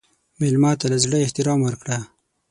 مېلمه ته له زړه احترام ورکړه.